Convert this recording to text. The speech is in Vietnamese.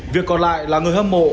việc còn lại là người hâm mộ